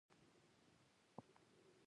د انټرنېټ د پراختیا لپاره ځوانان مهم رول لري.